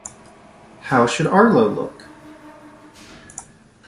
How should Arlo look?